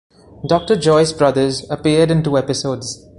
Doctor Joyce Brothers appeared in two episodes.